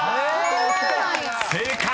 ［正解！］